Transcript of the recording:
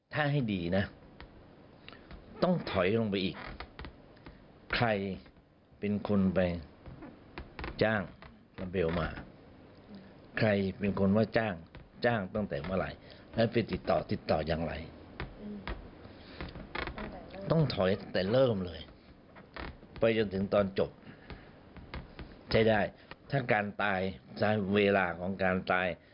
ใช้ได้ถ้าการตายสาเหตุเวลาของการตาย